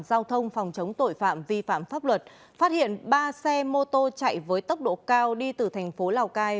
giao thông phòng chống tội phạm vi phạm pháp luật phát hiện ba xe mô tô chạy với tốc độ cao đi từ thành phố lào cai